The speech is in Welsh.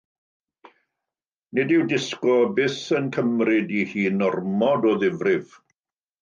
Nid yw Disco byth yn cymryd ei hun ormod o ddifrif.